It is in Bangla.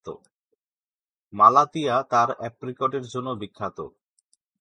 মালাতিয়া তার অ্যাপ্রিকটের জন্য বিখ্যাত।